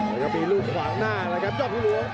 และก็มีรูปขวางหน้านะครับยอดภูรวง